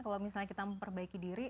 kalau misalnya kita memperbaiki diri